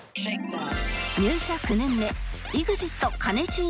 入社９年目 ＥＸＩＴ かねちー